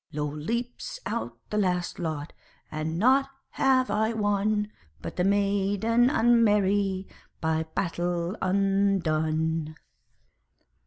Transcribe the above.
Lo! leaps out the last lot and nought have I won, But the maiden unmerry, by battle undone.